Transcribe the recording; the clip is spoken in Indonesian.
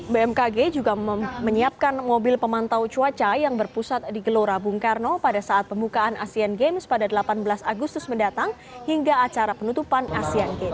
bmkg juga menyiapkan mobil pemantau cuaca yang berpusat di gelora bung karno pada saat pembukaan asian games pada delapan belas agustus mendatang hingga acara penutupan asean games